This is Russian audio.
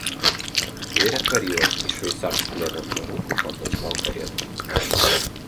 Дверь отворилась, и швейцар с пледом на руку подозвал карету.